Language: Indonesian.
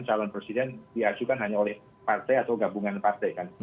calon presiden diajukan hanya oleh partai atau gabungan partai kan